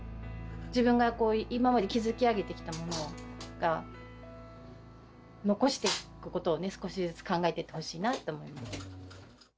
自分が今まで築き上げてきたものが、残していくということをね、少しずつ考えていってほしいなと思います。